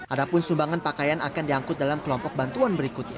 ada pun sumbangan pakaian akan diangkut dalam kelompok bantuan berikutnya